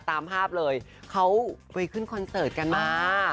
ตามภาพเลยเขาไปขึ้นคอนเสิร์ตกันมา